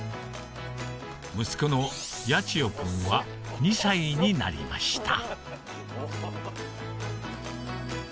息子の八千代くんは２歳になりました